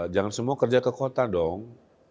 jangan semua kerja ke kota dong